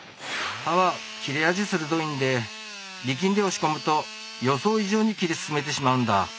刃は切れ味鋭いんで力んで押し込むと予想以上に切り進めてしまうんだ。